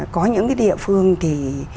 có những cái địa phương thì